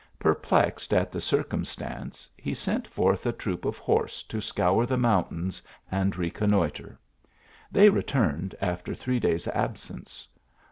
Perplexed at the circum stance, he sent forth a troop of horse to scour the mountains and reconnoitre. They returned after three days absence.